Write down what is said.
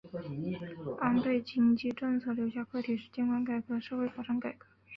安倍经济政策留下课题的是监管改革和社会保障改革。